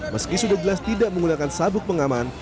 meski sudah jelas tidak menggunakan sabuk pengaman